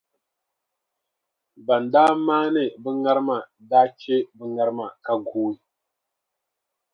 Ban daa maani bɛ ŋarima daa che bɛ ŋarima ka guui.